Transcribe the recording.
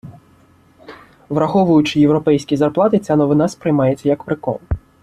Враховуючи європейські зарплати ця новина сприймається, як прикол.